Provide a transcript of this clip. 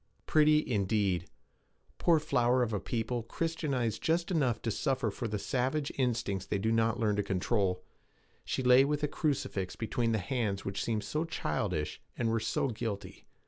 Pretty, indeed! Poor flower of a people Christianized just enough to suffer for the savage instincts they do not learn to control! She lay with a crucifix between the hands which seemed so childish, and were so guilty.